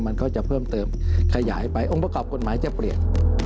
มันก็จะเพิ่มเติมขยายไปองค์ประกอบกฎหมายจะเปลี่ยน